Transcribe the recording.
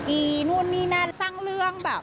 ีนู่นนี่นั่นสร้างเรื่องแบบ